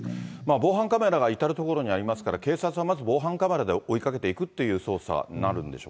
防犯カメラが至る所にありますから、警察はまず防犯カメラで追いかけていくという捜査になるんでしょ